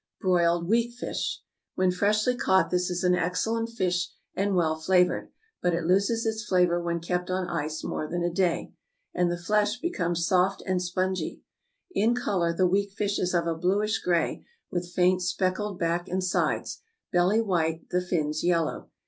=Broiled Weakfish.= When freshly caught, this is an excellent fish and well flavored; but it loses its flavor when kept on ice more than a day, and the flesh becomes soft and spongy. In color the weakfish is of a bluish gray, with faint speckled back and sides, belly white, the fins yellow.